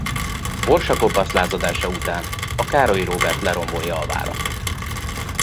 Borsa Kopasz lázadása után a Károly Róbert lerombolja a várat.